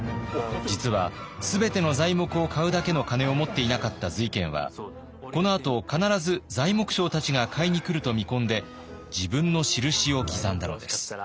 実は全ての材木を買うだけの金を持っていなかった瑞賢はこのあと必ず材木商たちが買いに来ると見込んで自分の印を刻んだのです。